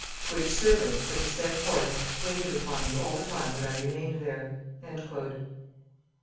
Which servant, with the said horse, waited upon me all the time that I remained there."